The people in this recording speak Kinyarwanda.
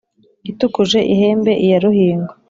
Itukuje ihembe iya Ruhingo